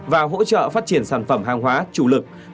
và hỗ trợ phát triển sản phẩm hàng hóa chủ lực